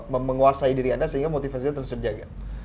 menguasai diri anda sehingga motivasinya terus terjaga